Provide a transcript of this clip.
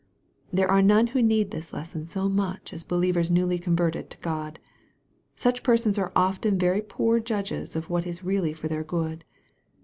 There are none who need this lesson so much as be lievers newly converted to God. Such persons are often very poor judges of what is really for their good.